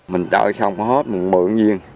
mình chọn xong hết một bộ nguyên